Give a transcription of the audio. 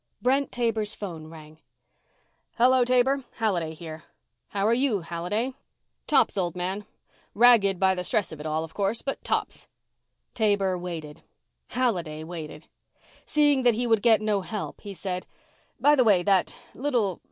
Brent Taber's phone rang. "Hello, Taber. Halliday here." "How are you, Halliday." "Tops, old man. Ragged by the stress of it all, of course, but tops." Taber waited. Halliday waited. Seeing that he would get no help, he said, "By the way, that little